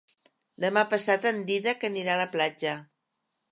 Demà passat en Dídac anirà a la platja.